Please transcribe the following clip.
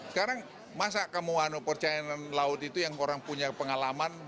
sekarang masa kamu percaya dengan laut itu yang orang punya pengalaman